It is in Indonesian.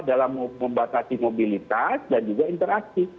dalam membatasi mobilitas dan juga interaksi